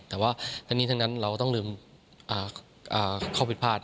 แต่ว่าทั้งนี้ทั้งนั้นเราต้องลืมข้อผิดพลาด